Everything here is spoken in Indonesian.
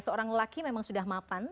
seorang lelaki memang sudah mapan